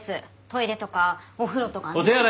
トイレとかお風呂とかねえ？